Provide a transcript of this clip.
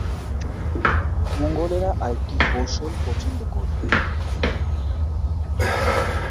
মঙ্গোলরা আরেকটি কৌশল পছন্দ করত।